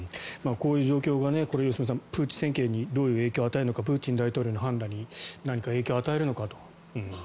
こういう状況が良純さん、プーチン政権にどういう影響を与えるのかプーチン大統領の判断に何か影響を与えるのかと。